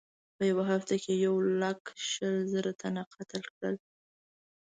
په یوه هفته کې یې یو لک شل زره تنه قتل کړل.